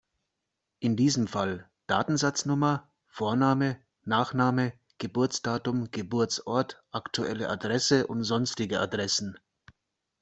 In diesem Fall: Datensatznummer, Vorname, Nachname, Geburtsdatum, Geburtsort, aktuelle Adresse und sonstige Adressen.